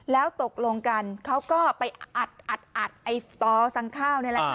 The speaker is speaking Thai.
แล้วตกลงกันเขาก็ไปอัดไอ้สตอสั่งข้าวนี่แหละค่ะ